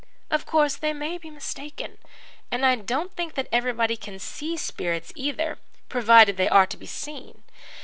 Of course, they may be mistaken. And I don't think that everybody can see spirits either, provided they are to be seen.